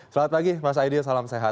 selamat pagi mas aidil salam sehat